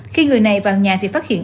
khi người này vào nhà thì phát hiện